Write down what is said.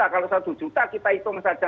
kalau rp satu kita hitung saja